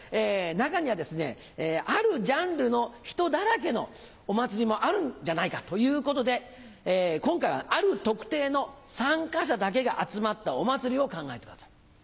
中にはですねあるジャンルの人だらけのお祭りもあるんじゃないかということで今回はある特定の参加者だけが集まったお祭りを考えてください。